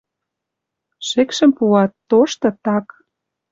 Шӹкшӹм пуа, тошты — так.